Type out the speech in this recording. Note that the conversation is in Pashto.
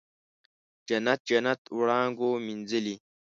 جنت، جنت وړانګو مینځلې